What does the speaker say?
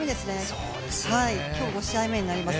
今日、５試合目になります。